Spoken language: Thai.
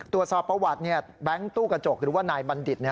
ตรวจสอบประวัติแบงค์ตู้กระจกหรือว่านายบัณฑิต